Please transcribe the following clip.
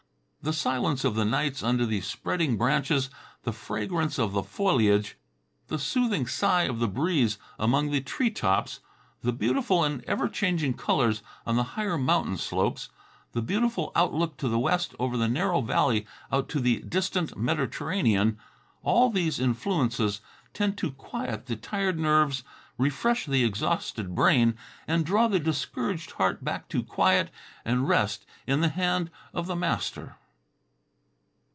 The silence of the nights under the spreading branches; the fragrance of the foliage; the soothing sigh of the breeze among the tree tops; the beautiful and ever changing colors on the higher mountain slopes; the beautiful outlook to the west over the narrow valley out to the distant Mediterranean; all these influences tend to quiet the tired nerves, refresh the exhausted brain and draw the discouraged heart back to quiet and rest in the hand of the Master.